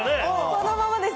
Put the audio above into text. このままです。